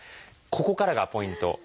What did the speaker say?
ここからがポイント。